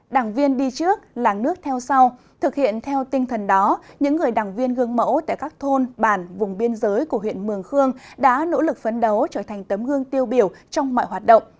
đảng viên đi trước làng nước theo sau thực hiện theo tinh thần đó những người đảng viên gương mẫu tại các thôn bản vùng biên giới của huyện mường khương đã nỗ lực phấn đấu trở thành tấm gương tiêu biểu trong mọi hoạt động